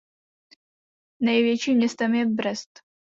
Největším městem je Brest.